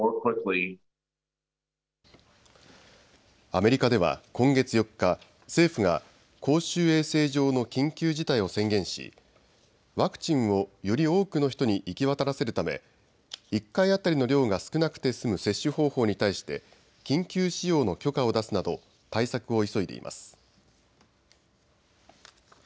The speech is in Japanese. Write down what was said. アメリカでは今月４日、政府が公衆衛生上の緊急事態を宣言しワクチンをより多くの人に行き渡らせるため１回当たりの量が少なくて済む接種方法に対して緊急使用の許可を出すなど対策を急いでいます。